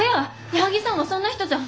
矢作さんはそんな人じゃ。